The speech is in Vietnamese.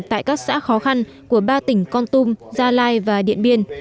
tại các xã khó khăn của ba tỉnh con tum gia lai và điện biên